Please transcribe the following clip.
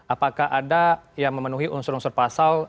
apakah ada yang memenuhi unsur unsur pasal